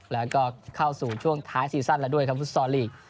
แล้วก็เข้าสู่ช่วงท้ายซีซั่นแล้วด้วยครับฟุตซอลลีก